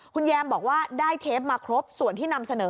คุณแยมบอกว่าได้เทปมาครบส่วนที่นำเสนอ